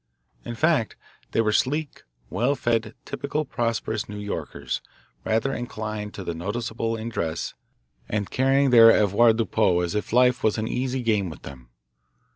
In fact, they were sleek, well fed, typical prosperous New Yorkers rather inclined to the noticeable in dress and carrying their avoirdupois as if life was an easy game with them.